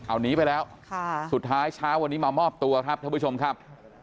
เอาหนีไปแล้วสุดท้ายเช้าวันนี้มามอบตัวครับท่านผู้ชมครับ